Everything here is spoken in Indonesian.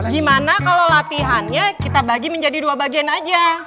gimana kalau latihannya kita bagi menjadi dua bagian aja